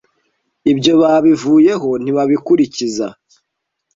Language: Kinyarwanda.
ibyo babivuyeho ntibakibikurikiza".